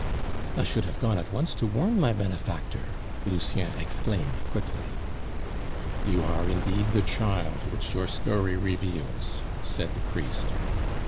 "I should have gone at once to warn my benefactor," Lucien exclaimed quickly. "You are indeed the child which your story reveals!" said the priest.